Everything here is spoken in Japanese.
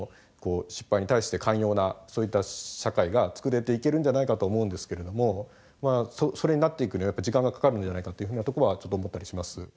失敗に対して寛容なそういった社会が作れていけるんじゃないかと思うんですけれどもまあそれになっていくにはやっぱ時間がかかるんじゃないかというふうなところはちょっと思ったりします。